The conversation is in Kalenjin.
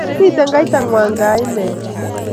mito kaitang'wang' keimete